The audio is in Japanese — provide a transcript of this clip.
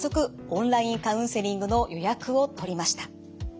オンラインカウンセリングの予約を取りました。